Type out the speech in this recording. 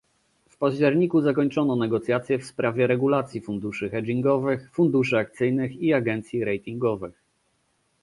W październiku zakończono negocjacje w sprawie regulacji funduszy hedgingowych, funduszy akcyjnych i agencji ratingowych